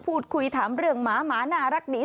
พูดคุยถามเรื่องหมาหมาน่ารักดี